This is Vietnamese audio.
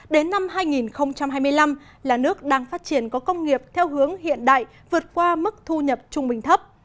đến năm hai nghìn hai mươi năm là nước đang phát triển có công nghiệp theo hướng hiện đại vượt qua mức thu nhập trung bình thấp